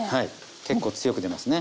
結構強く出ますね。